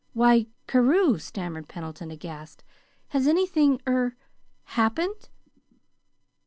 "Why, Carew," stammered Pendleton, aghast, "has anything er happened?"